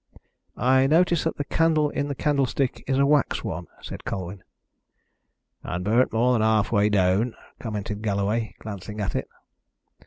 "I notice that the candle in the candlestick is a wax one," said Colwyn. "And burnt more than half way down," commented Galloway, glancing at it.